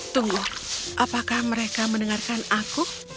tunggu apakah mereka mendengarkan aku